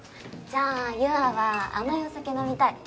じゃあ優愛は甘いお酒飲みたい。